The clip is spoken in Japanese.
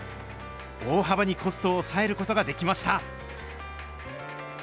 大幅にコストを抑えることができました。